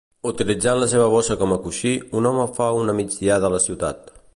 Utilitzant la seva bossa com a coixí, un home fa una migdiada a la ciutat.